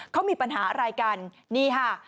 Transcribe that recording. เขามีปัญหาอะไรกันนี่ค่ะ